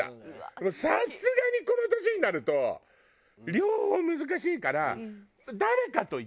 もうさすがにこの年になると両方は難しいから。